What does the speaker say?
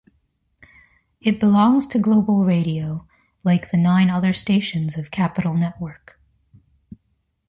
It belongs to Global Radio, like the nine other stations of Capital network.